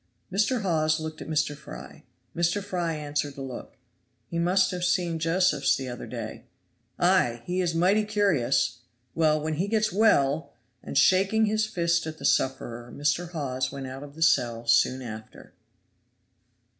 Mr. Hawes looked at Mr. Fry; Mr. Fry answered the look. "He must have seen Josephs the other day." "Ay! he is mighty curious. Well, when he gets well!" and, shaking his fist at the sufferer, Mr. Hawes went out of the cell soon after.